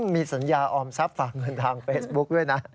มีสัญญาออมทรัพย์ฝากเงินทางเฟซบุ๊คด้วยนะ